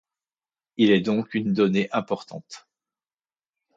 Il est donc une donnée importante.